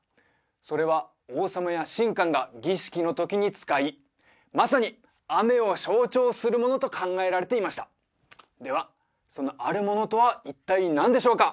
それは王様や神官が儀式の時に使いまさに雨を象徴するものと考えられていましたではそのあるものとは一体何でしょうか？